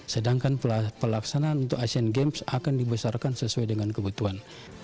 sedangkan pelaksanaan untuk asian games akan dibesarkan sesuai dengan kebutuhan